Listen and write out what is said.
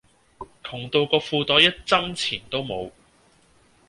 窮到個褲袋一針錢都冇